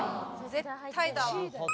絶対だわ。